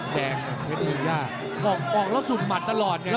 แดงเพศมึงย่าออกแล้วสุกหมัดตลอดเนี่ย